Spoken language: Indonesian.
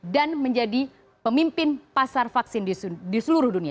dan menjadi pemimpin pasar vaksin di seluruh dunia